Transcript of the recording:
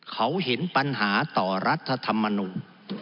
เขาเห็นปัญหาต่อรัฐธรรมนูล